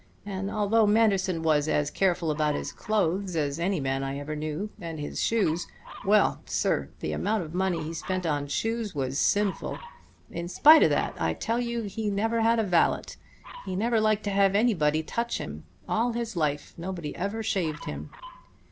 And although Manderson was as careful about his clothes as any man I ever knew, and his shoes well, sir, the amount of money he spent on shoes was sinful in spite of that, I tell you, he never had a valet. He never liked to have anybody touch him. All his life nobody ever shaved him."